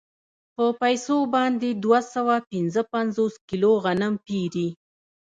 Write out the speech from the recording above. په پیسو باندې دوه سوه پنځه پنځوس کیلو غنم پېري